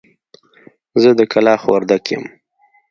زه د کلاخ وردک يم.